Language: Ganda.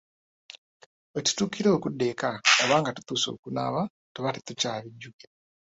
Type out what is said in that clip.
Wetutuukira okudda eka oba nga tutuuse okunaaba tuba tetukyabijjukira.